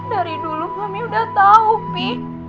dari dulu mami udah tahu fi